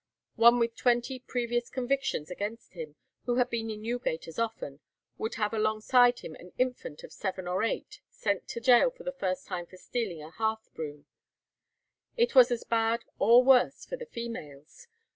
One with twenty previous convictions against him, who had been in Newgate as often, would have alongside him an infant of seven or eight, sent to gaol for the first time for stealing a hearth broom. It was as bad or worse for the females.